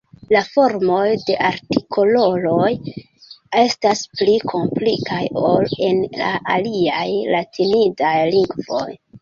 La formoj de artikoloj estas pli komplikaj ol en la aliaj latinidaj lingvoj.